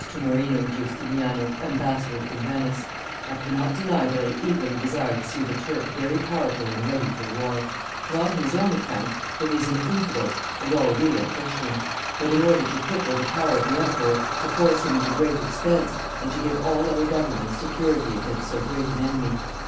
to Marino Giustiniano, ambassador from Venice, "I cannot deny that I eagerly desire to see the Turk very powerful and ready for war; not on his own account, for he is an infidel and all we are Christians, but in order to cripple the power of the emperor, to force him into great expense, and to give all other governments security against so great an enemy."